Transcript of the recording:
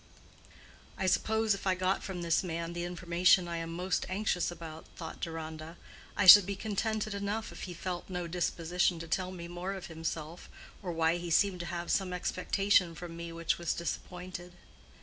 "I suppose if I got from this man the information I am most anxious about," thought Deronda, "I should be contented enough if he felt no disposition to tell me more of himself, or why he seemed to have some expectation from me which was disappointed.